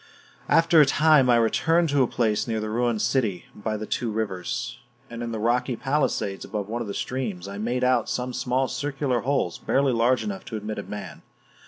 After a time I returned to a place near the ruined city by the two rivers; and in the rocky palisades above one of the streams, I made out some small circular holes barely large enough to admit a man.